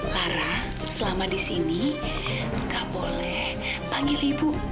lara selama di sini gak boleh panggil ibu